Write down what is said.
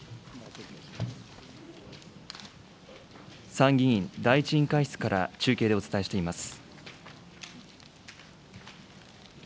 参議院第１委員会室から中継でお伝えしています。